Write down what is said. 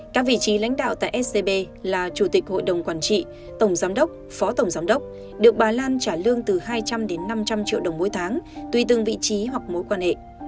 các vị trí lãnh đạo tại scb là chủ tịch hội đồng quản trị tổng giám đốc phó tổng giám đốc được bà lan trả lương từ hai trăm linh đến năm trăm linh triệu đồng mỗi tháng tùy từng vị trí hoặc mối quan hệ